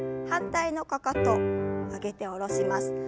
反対のかかと上げて下ろします。